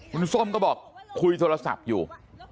คุณส้มก็บอกคุยโทรศัพท์อยู่